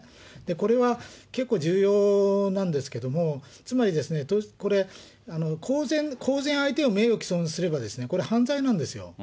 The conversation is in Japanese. これは結構重要なんですけれども、つまり公然相手を名誉毀損すれば、これ、犯罪なんですよ。